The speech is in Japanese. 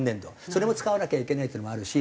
それも使わなきゃいけないっていうのもあるし。